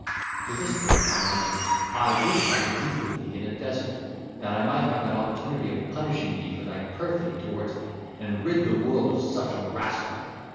To this threat I answered, "I wish I could meet with thee in a desert, that I might have an opportunity of punishing thee for thy perfidy towards me, and rid the world of such a rascal.